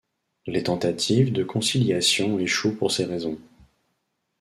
Les tentatives de conciliation échouent pour ces raisons.